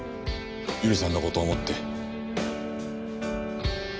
由梨さんの事を思って。